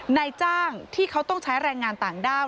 นายจ้างที่เขาต้องใช้แรงงานต่างด้าว